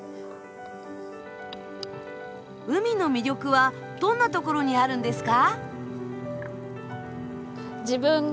海の魅力はどんなところにあるんですか？